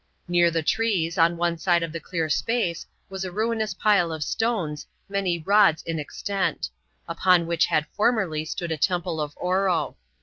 : Near the trees, on one side of the clear space, was a ruinous pile of stones, many rods in extent ; upon whidi had formerly stood a temple of Oro.